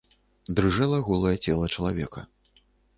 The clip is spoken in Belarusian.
Дрыжэла голае цела чалавека.